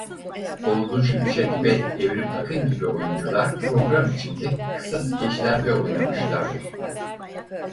Olgun Şimşek ve Evrim Akın gibi oyuncular program içinde kısa skeçlerde oynamışlardır.